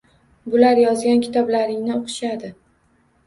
Bular yozgan kitoblaringni o‘qishadi.